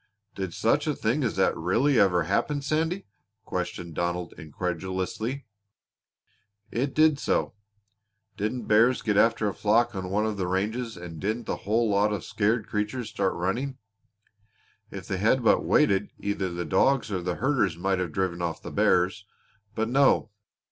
"Did such a thing as that really ever happen, Sandy?" questioned Donald incredulously. "It did so. Didn't bears get after a flock on one of the ranges and didn't the whole lot of scared creatures start running? If they had but waited either the dogs or the herders might have driven off the bears. But no!